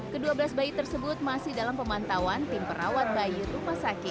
kedua belas bayi tersebut masih dalam pemantauan tim perawat bayi rumah sakit